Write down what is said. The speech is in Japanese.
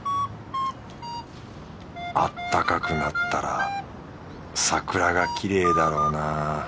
あったかくなったら桜がきれいだろうな。